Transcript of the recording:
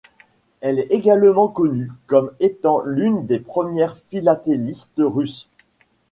Elle est également connue comme étant l'une des premières philatélistes russes.